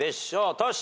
トシ。